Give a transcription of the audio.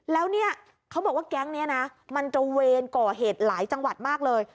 แล้วเนี่ยเขาบอกว่าแก๊งนี้นะมันตระเวนก่อเหตุหลายจังหวัดมากเลย